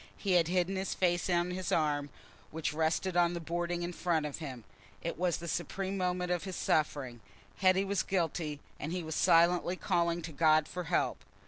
He had hidden his face on his arm, which rested on the boarding in front of him. It was the supreme moment of his suffering: Hetty was guilty; and he was silently calling to God for help.